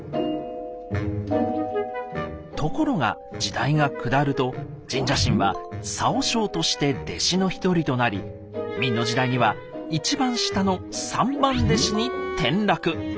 ところが時代が下ると深沙神は沙和尚として弟子の一人となり明の時代には一番下の三番弟子に転落。